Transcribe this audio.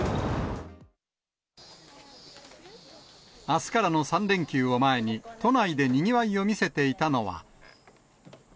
あすからの３連休を前に、都内でにぎわいを見せていたのは。